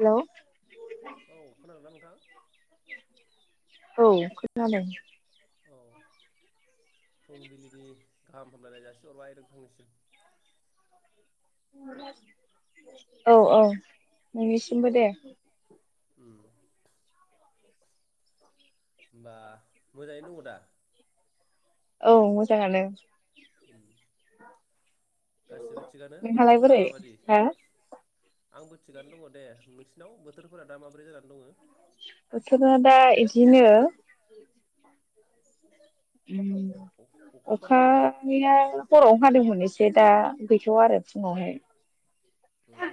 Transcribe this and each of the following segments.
Hello औ खोनादोंना नोंथां। औ खोनादों। औ फुंबिलिनि गाहाम हामलाय जासि हरबाय नोंथांसिम औ औ नोंनिसिमबो दे उम होमबा मोजायैनो दङ दा औ मोजाङानो उम गासिबो थिगानो नोंहालाय बोथोरफोरा बोरै माबायदि हा आंबो थिगानो दङ दे नोंसि दाव बोथोरफोरा दा माबोरै जानानै दङो? बोथोरा दा इदिनो उम अखाफोर हादोंना अखानिया हराव हादोंमोन। एसै दा गैथ'आ आरो फुङावहाय उम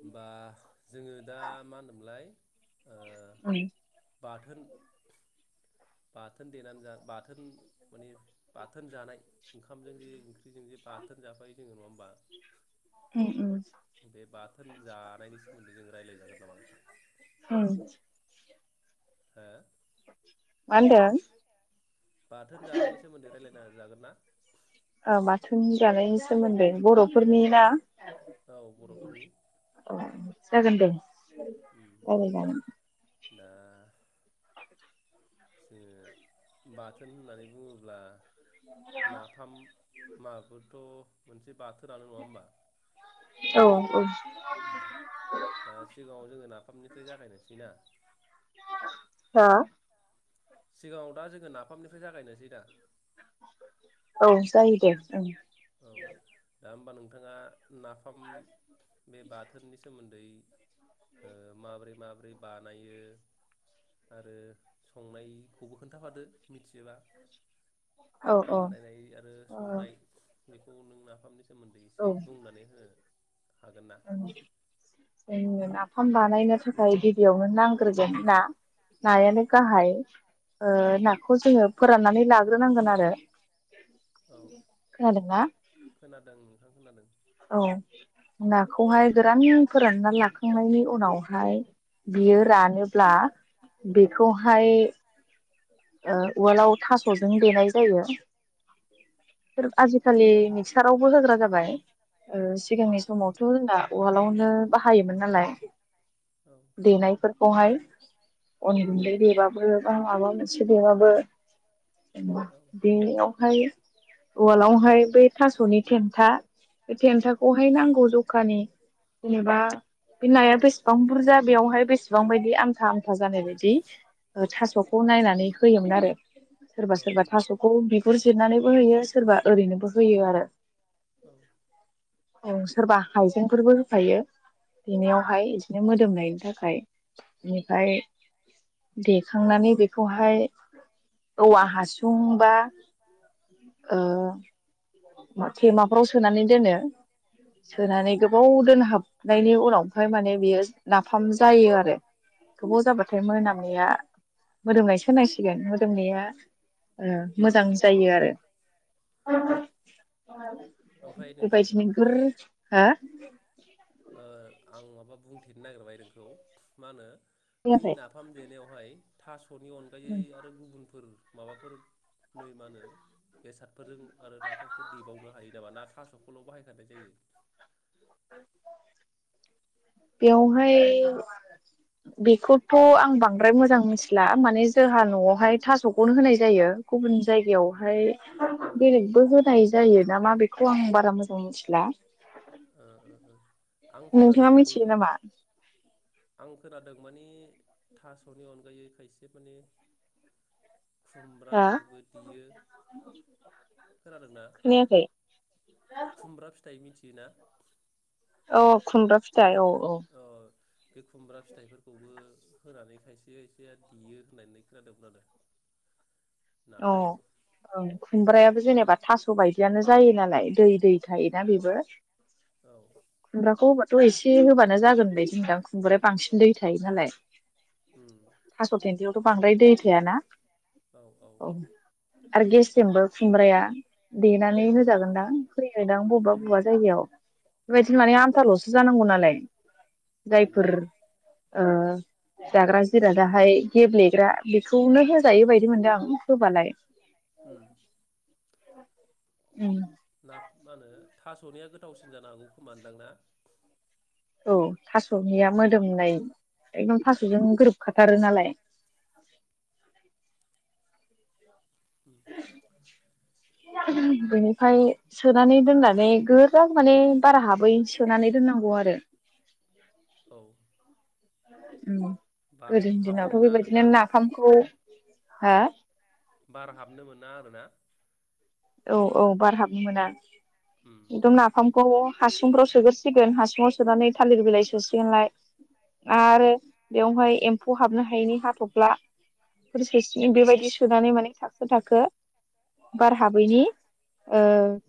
होमबा जोङो दा मा होनदोंमोनलाय ओ [unintelligible] बाथोन बाथोन देनानै जा बाथोन माने बाथोन जानाय ओंखामजों जे ओंख्रिजों जे बाथोन जाफायो जोङो नङा होमबा उम बे बाथोन जानायनि सोमोन्दै जों रायज्लायजागोन नामा नोंथां [inaudible] हो मानदों। बाथोन जानायनि सोमोनदै रायलाय जागोन ना ओ बाथोन जानायनि सोमोन्दै बर'फोरनि ना औ बर'फोरनि औ जागोन दे उम रायलाय जागोन। दा जोङो बाथोन होननानै बुङोब्ला नाफाम माबोथ' मोनसे बाथ थोनानो नङा होमबा? औ औ ओ सिगाङाव जोङो नाफामनिफ्राय जागायनोसै ना? मा? सिगाङाव दा जोङो नाफामनिफ्राय जागायनोसै दा औ जायो दे ओं। औ दा होमबा नोंथाङा नाफाम बे बाथोननि सोमोन्दै ओ माबोरै माबोरै बानायो आरो संनायखौबो खोन्थाफादो मिथियोबा। औ बानायनायनाय आरो ओ संनाय बेखौ नों नाफामनि सोमोन्दै औ एसे बुंनानै हो। हागोनना? ओं जोंनो नाफाम बानायनो थाखाय गिबियावनो नांग्रोगोन ना नायानो गाहाय ओ औ नाखौ जोङो फोराननानै लाग्रोनांगोन आरो औ खोनादोंना? औ खोनादों। औ नाखौहाय गोरान फोरानना लाखांनायनि उनावहाय बियो रानोब्ला बेखौहाय ओ उवालाव थास'जों देनाय जायो। आजिखालि मिक्सारावबो होग्रा जाबाय, ओ औ सिगांनि समावथ' जोंना उवालावनो फायोमोन नालाय औ देनायफोरखौहाय औ अन गुन्दै देबाबो ओं माबा मोन से देबाबो बेयावहाय उवालावहाय बे थासनि थेन्था बे थेन्थाखौहाय नांगौ ज'खानि जेनेबा बे नाया बेसेबां बुरजा बेयावहाय बेसेबां बायदि आमथा आमथा जानायबायदि ओ थास'खौ नायना नै होयोमोन आरो सोरबा औ सोरबा थास'खौ बिगुर जिरनानैबो हैयो सोरबा ओरैनोबो होयो आरो, औ औ सोरबा हाइजेंफोरबो होफायो देनायावहाय इदिनो मोदोमनायनि थाख खाय इनिफाय देखांनानै बेख खौहाय औवा हासुं बा ओ [unintelligible] ख'राव सोनानै दोनो सोनानै गोबाव दोनहाबनायनि उनाव ओमफ्राय माने बेयो नाफाम जायो आरो गोबाव जाबाथाय मोनामनाया मोदोमनायसो होननांसिगोन मोदोमनाया ओ मोजां जायो आरो औ ओमफ्राय नोंथां बेबायदिनो गोर हो [inaudible] ओ आं माबा बुंथेनो नागिरबाय नोंखौ मा होनो ओइ खोनायाखै नाफाम देनायाव हाय थास' स'नि अनगायै आरो गुबुनफोर माबाफोर मै मा होनो बेसादफोरजों आरो नाफावफोरखौ देबावनो हायो नामा ना थास'खौल बाहायखानाय जायो? बेवहाय बेखौथ' आं बांद्राय मोजां मिथिला माने जोंहा न'आवहाय थासखौनो होनाय जायो गुबुन जायगायावहाय ओ बेलेगबो होनाय जायो नामा बेखौ आं बारा मोजां मिथिला। ओ ओ। आं खोनादों नोंथाङा मानि मिथियो नामा? आं खोनादों माने थास'नि अनगायै खायसे माने हा खुमब्राजोंबो देयो खोनादोंना? खोनायाखै बिना अ खुमब्रा फिथा थाय औ औ। अ बे खुमब्रा फिथाइफोरखौबो होनानै खायसे खायसेया देयो होननानै खोनादोंमोन आरो। अ ओ नाफामखौ ओं उम खुमब्रायाबो जेनेबा थास' बायदियानो जायो नालाय दै दै थायोना बेबो। औ खुमब्राखौ थ' एसे होबानो जागोन बायदि दां खुंब्राया बांसिन दै थायो नालाय। उम थास' देन्थायावथ' बांद्राय दै थायाना। औ आरो गेस्रेमबो खुमब्राया देनानै औ होजागोनदां होयोदां बबेबा उम बबेबा जायगायाव बेबायदिनो उम माने आमथाल'सो जानांगौ नालाय उम जायफोर ओ जाग्रा जि जिरादा हाय गेब्लेग्रा बेखौनो होजायो बायदि मोनदों आं। होबालाय। उम उम। ना मा होनो थास'निया गोथावसिन जानो हागौ खोमानदां ना? औ थास'निया मोदोमनाय एखदम थास'जों गोरोबखाथारो नालाय। [inaudible] बेनिफाय सोनानै दोननानै गोरा माने बार हाबै सोनानै दोननांगौ आरो। औ। उम। बारथ' गोदोनि हाबनो दिनावथ' मोना आरो दा बेबायदिनो नाफामखौ हा बार हाबनो मोना आरोना। औ औ बार हाबनो मोना। उम एदम नाफाम खौ हासुंफ्राव सोग्रोसिगोन हासुङाव सोनानै थालिर बिलाइ सोसिगोनलाय आरो बेयावहाय एम्फौ हाबनो हायैनि हाथफ्ला फोर सोसिनो बेबायदि सोनानै माने खो थाखो बार हाबैनि ओ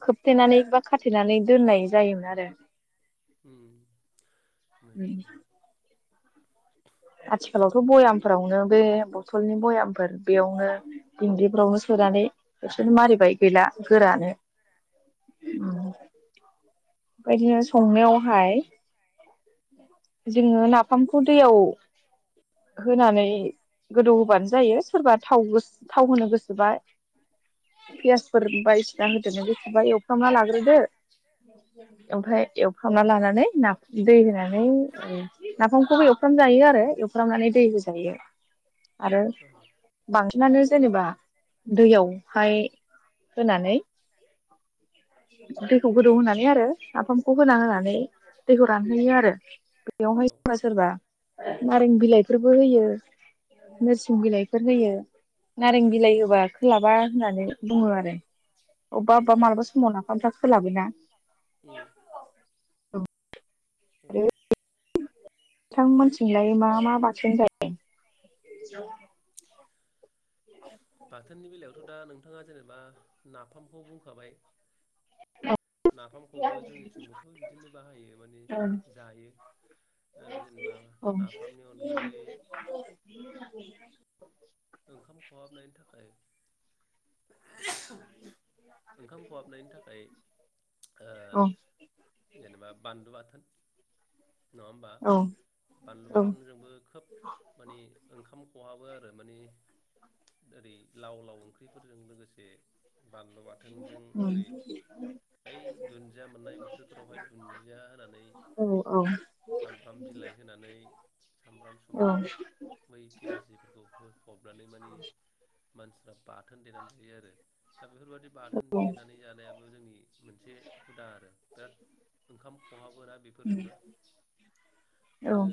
खोबथेनानै बा खाथेनानै दोननाय जायोमोन आरो। उम उम मोजाङानो आथिखालावथ' बयामफोरावनो बे बथ'लनि बयामफोर बेयावनो दिंग्रिफोरावनो सोनानै बिसोर मारिबाय। गैला गोरानो औ उम। बायदिनो संनायावहाय जोङो नाफामखौ दैयाव होनानै गोदौ होबानो जायो सोरबा थाव गोस थाव होनो गोसोबा पियासफोर बायदिसिना होदेरनो गोसोबा एवफ्रामना लाग्रोदो ओमफ्राय एवफ्रामना लानानै ना दै होनानै ओ नाफामखौबो एवफ्राम जायो आरो। एवफ्रामनानै दै होज जायो आरो बांसिनानो जेनेबा दैयावहाय होनानै दैखौ गोदौ होनानै आरो नाफामखौ होना होनानै दैखौ रानहैयो आरो बेयावहाय औ सोरबा सोरबा नारें बिलाइफोरबो होयो नोरसिं बिलाइफोर होयो नारें बिलाइ होबा खोलाबा होननानै बुङो आरो अबबा उम अबबा मालाबा समाव ना ओमफ्रा खोलाबोना। उम औ औ थां मोनथिंलाय मा मा बाथोन जायो? बाथोननि बेलायावथ' दा नोंथाङा जेनेबा नाफामखौ बुंखाबाय। नाफामखौबो जोंनिथिंबोथ' बिदिनो बाहायो माने जायो जायो आरो जेनेबा औ नाफामनि अनगायै ओंखाम खहाबनायनि थाखाय ओंखाम खहाबनायनि थाखाय ओ औ जेनेबा बानलु बाथोन। नङा होमबा? औ बानलु औ बाथोन जोंबो खोब माने ओंखाम खहाबो आरो माने ओरै लाव लाव ओंख्रिफोरजों लोगोसे बानलु बाथोनजों उम ओरै ओइ दुन्दिया मोननाय बोथोरफोरावहाय दुन्दिया होनानै औ औ सामब्राम बिलाइ होनानै सामब्राम सुमब्राम बै पियााजिफोरखौ हो नानै माने मानसिफ्रा बाथोन देनानै जायो आरो। दा बेफोरबायदि बाथोन देनानै जानायाबो जोंनि मोनसे हुदा आरो बिराद ओंखाम खहाबोना उम बेफोरजोंबो औ आरो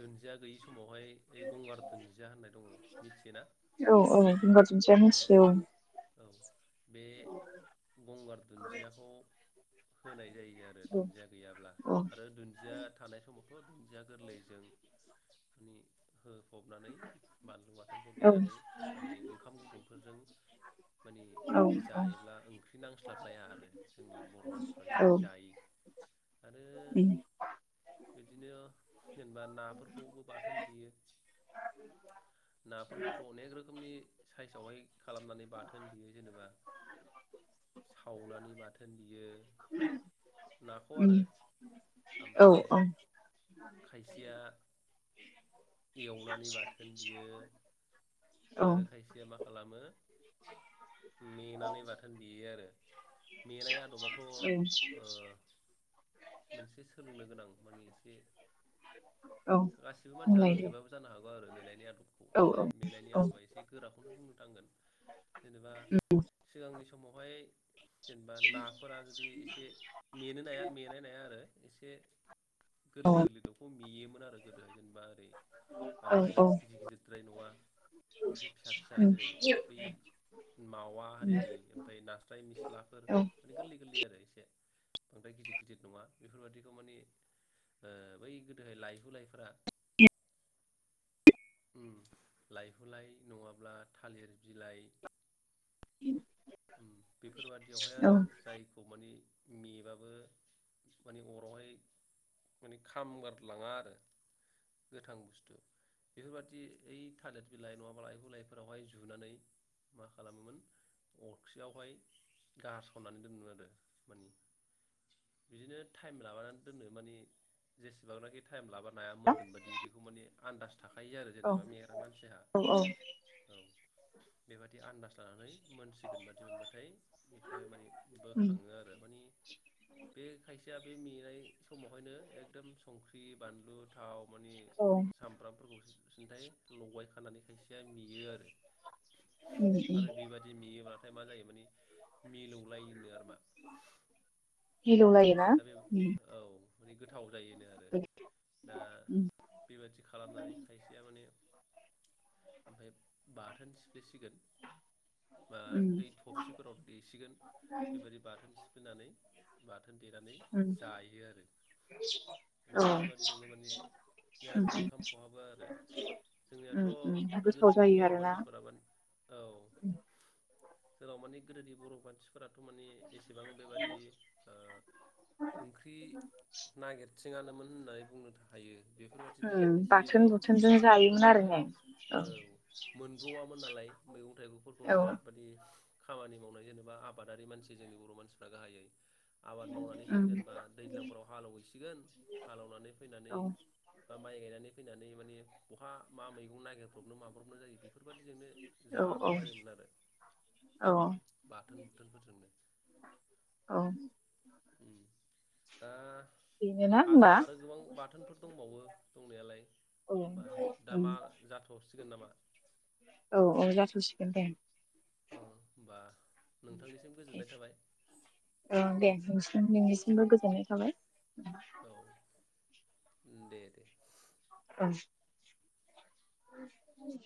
दुन्जिया गैयि स समावहाय गंगार दुन्जिया होननाय मिथियोना औ औ गंगार दुनजिया ओं मिथियो औ औ बे गंगार दुन्जियाखौ होनाय जायो। आरो औ दुन्जिया गैयाब्ला औ औ आरो दुन्जिया थानाय समाव अ दुन्जिया गोरलैजों माने हो फबनानै बानलु बाथोनखौ औ देनानै माने ओंखाम गुदुंफोरजों [inaudible] माने औ जायोब्ला ओंख्रि नांस्लाबलाया आरो जोंनि बर' मानसिफ्रा औ बेबायदि उम जायो आरो बिदिनो जेनेबा नाफोरखौबो बाथोन देयो। नाफोरखौथ अनेक रोखोमनि सायज आवहाय खालामनानै बाथोन देयो जेनेबा सावनानै बाथोन देयो नाखौ उम आरो औ आमफाय औ खायसेया एवनानै बाथोन बियो औ आरो खायसेया मा खालामो मेनानै बाथोन देयो आरो मेनाय आदबाथ' ओ औ मोनसे सोलोंनो गोनां मानि एसे औ गासिबो मानसिया बुंलाय दे रोंजोबाबो जानो हागौ आरो मेंनाय ले आदबखौ औ मेले मेनायनि आदबा एसे गोराखौनो बुंनो थांगोन जेनेबा सिगांनि स मावहाय जेनेबा नाफोरा जुदि एसे मेनो नाया मेनाय नाया आरो एसे औ गोरलै गोरलै दबखौ मेयोमोन आरो गोदोहाय जेनेबा ओरैबादि औ औ गिदिर गिदिरद्राय नङा एसे फिसा फिसा उम उम जेरै बै मावा हारिनि ओमफाय नास्राय मिस्लाफोर औ माने गोरलै गोरलै आरो इसे बांद्राय गिदिर गिदिर नङा बेफोरबादिखौ माने ओ बै गोदोहाय लाइहु लाइफोरा उम लाइहुलाय नङाब्ला थालिर बिलाइ उम बेफोरबादियावहाय औ आरो जायखौ माने मेबाबो माने अरावहाय माने खामगारलाङा आरो गोथां बुस्थु। बेफोरबादि ओइ थालेट बिलाइ नङाब्ला लाइहु लाइफोरावहाय जुनानै मा खालामोमोन अरखियावहाय गारसननानै दोनोमोन आरो मानि बिदिनो टाइम लाबानानै दोनो माने जेसेबांनाखि टाइम लाब नाया मोनगोन बादि बेखौ माने आनदास थाखायो आरो जेनेबा मेग्रा मानसिहा। औ बेबादि आन्दाज लानानै मोनसिगोन बादि मोनबाथाय बेखौहाय माने उम बोखाङो आरो बै बे खायसेया बे मेनाय समावहायनो एकदम संख्रि बानलु थाव मानि औ उम सामब्राम सिन्थाय लगाय खानानै खायसेया मेयो आरो। उम आरो बेबादि मेयोबा मा जायो माने, मिलौ लायोनो आरोमा। मिलौ लायो ना? ओम माने गोथाव जायो। आरो दा उम बेबायादि खालामनानै खायसेया माने ओमफाय बाथोन सिफ्लेसिगोन बा उम ओइ थफसिफोराव देसिगोन बेबायदि बाथोन सिफ्लेनानै बा थोन देनानै जायो आरो। औ बेफोर बादिजोंबो माने बिराद उम उम ओंखाम खहाबो आरो जोंनियाथ उम गोदोनि बर मानसिफोरा मा उम जोंनाव माने गोदोनि बर मानसि फोराथ माने एसेबां बेबादि ओंख्रि नागिर थिंङानोमोन होननानै बुंनो था हायो बेफोरबादिनो उम एसे बाथोन एनै बुथोनजों जायोमोन आरो बाथोनफोरजोंनो ने औ ओ मोनब्रवामोन नालाय मैगं थाइगंफोरखौ औ बिराद मानि खामानि मावनाय जेनेबा आबादारि मानसि जोंनि बर मानसिफ्रा गाहायै आबाद मावनानै उम जेनेबा दैज्लांफोराव हालौ हैसिगोन हालेवनानै फैनानै औ बा माइ गायनानै फैनानै माने बहा मा मैगं नागिरब्रबनो माब्रबनो जायो बे बेफोरबायाददिजोंनो औ औ जाला बायोमोन आरो औ बाथोन बुथोनफोरजोंनो। औ ओम दा बेनोना होमबा आद्रा आरो गोबां बाथोनफोर दंबावो दंनायालाय औ होमबा दा उम मा जाथसिगोन नामा? थसिगोन दे ओ होमबा नोंथांनिसिम गोजोननाय थाबाय औ दे नोंथांसिमबो गोजोननाय थाबाय [unintelligible] उम दे दे। [inaudible] [inaudible]